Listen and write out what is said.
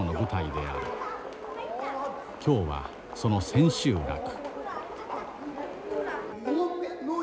今日はその千秋楽。